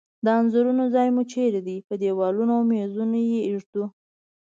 د انځورونو ځای مو چیرته ده؟ په دیوالونو او میزونو یی ایږدو